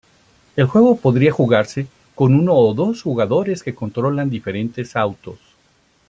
El juego podría jugarse con uno o dos jugadores que controlan diferentes autos.